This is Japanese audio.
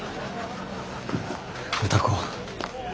歌子。